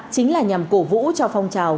chính là nhằm cổ vũ cho phong trào